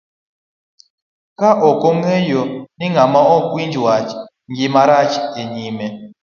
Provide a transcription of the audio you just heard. Ne okong'eyo ni ng'ama ok winj wach, gima rach ni nyime.